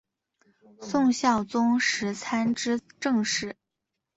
宋孝宗时参知政事。